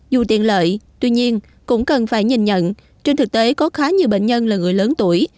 dù tiện lợi tuy nhiên cũng cần phải nhìn nhận trên thực tế có khá nhiều bệnh nhân là người lớn tuổi